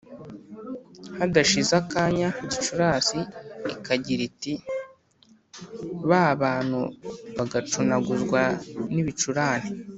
hadashize akanya gicurasi ikagira iti ba abantu bagacunaguzwa n’ibicurane